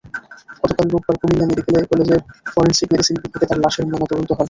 গতকাল রোববার কুমিল্লা মেডিকেল কলেজের ফরেনসিক মেডিসিন বিভাগে তার লাশের ময়নাতদন্ত হয়।